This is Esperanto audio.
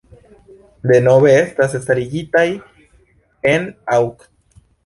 Denove estas starigitaj en aŭg.